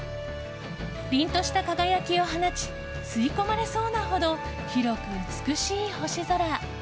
凛とした輝きを放ち吸い込まれそうなほど広く美しい星空。